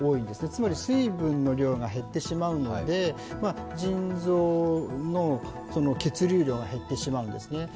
つまり水分の量が減ってしまうので腎臓の血流量が減ってしまうんですね。